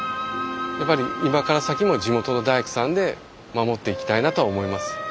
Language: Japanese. やっぱり今から先も地元の大工さんで守っていきたいなとは思います。